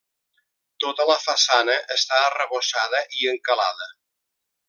Tota la façana està arrebossada i encalada.